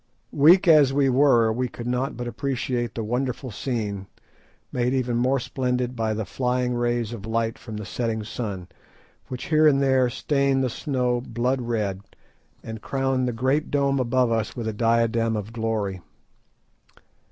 Weak as we were, we could not but appreciate the wonderful scene, made even more splendid by the flying rays of light from the setting sun, which here and there stained the snow blood red, and crowned the great dome above us with a diadem of glory.